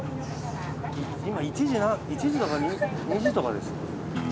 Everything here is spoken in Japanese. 今１時とか２時とかですよ。